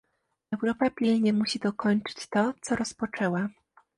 Europa pilnie musi dokończyć to, co rozpoczęła